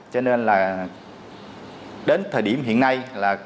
cho nên là đến thời điểm hiện nay